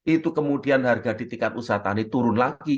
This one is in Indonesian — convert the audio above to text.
itu kemudian harga di tingkat usaha tani turun lagi